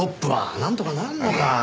なんとかならんのか？